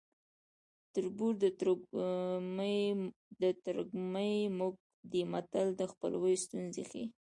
تربور د ترږمې موږی دی متل د خپلوۍ ستونزې ښيي